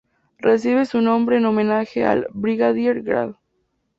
Recibe su nombre en homenaje al Brigadier Gral.